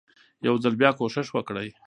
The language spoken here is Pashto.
يو ځل بيا کوښښ وکړئ